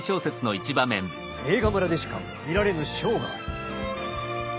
映画村でしか見られぬショーがある。